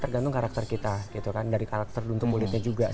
tergantung karakter kita gitu kan dari karakter untuk kulitnya juga